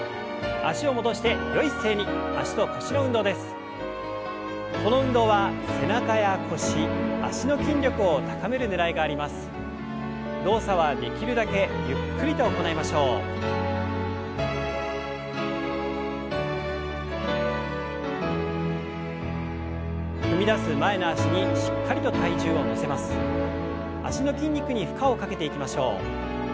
脚の筋肉に負荷をかけていきましょう。